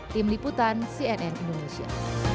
tim liputan cnn indonesia